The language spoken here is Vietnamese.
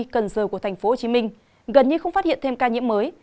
cần giờ của tp hcm gần như không phát hiện thêm ca nhiễm mới